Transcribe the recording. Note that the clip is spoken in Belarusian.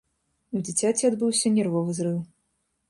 У дзіцяці адбыўся нервовы зрыў.